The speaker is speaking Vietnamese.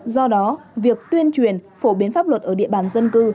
do đó việc tuyên truyền phổ biến pháp luật ở địa bàn dân cư